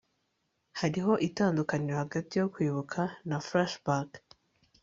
hariho itandukaniro hagati yo kwibuka na flashback